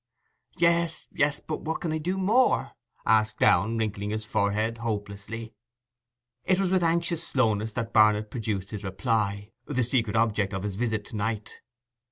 'Yes, yes; but what can I do more?' asked Downe, wrinkling his forehead hopelessly. It was with anxious slowness that Barnet produced his reply—the secret object of his visit to night.